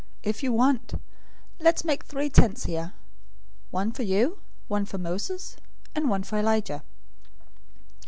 If you want, let's make three tents here: one for you, one for Moses, and one for Elijah."